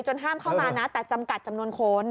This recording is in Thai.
ห้ามเข้ามานะแต่จำกัดจำนวนคน